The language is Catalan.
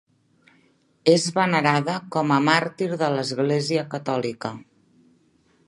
És venerada com a màrtir de l'Església catòlica.